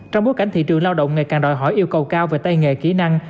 trong bối cảnh thị trường lao động ngày càng đòi hỏi yêu cầu cao về tay nghề kỹ năng